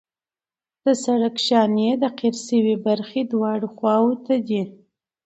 د سرک شانې د قیر شوې برخې دواړو خواو ته دي